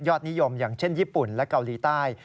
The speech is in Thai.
นิยมอย่างเช่นญี่ปุ่นและเกาหลีใต้